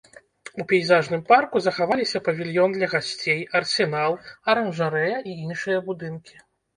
У пейзажным парку захаваліся павільён для гасцей, арсенал, аранжарэя і іншыя будынкі.